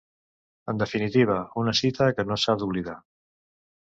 En definitiva, una cita que no s'ha d'oblidar.